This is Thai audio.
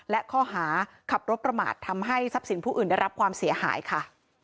และข้อหาขับรถประมาททำให้ทรัพย์สินผู้อื่นได้รับความเสียหายค่ะ